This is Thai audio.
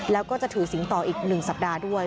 แล้วก็จะถือสิงต่ออีก๑สัปดาห์ด้วย